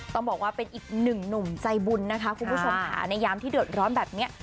ต้องบอกว่าเป็นอีกหนึ่งหนุ่มใจบุญนะคะคุณผู้ชมค่ะในยามที่เดือดร้อนแบบนี้